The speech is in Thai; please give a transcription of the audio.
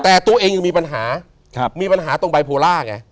แต่ตัวเองยังมีปัญหามีปัญหาตรงบายโพล่าไง